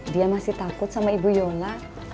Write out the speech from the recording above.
dia masih takut sama ibu yona